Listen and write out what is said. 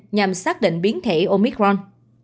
nhằm xác định biến thể omicron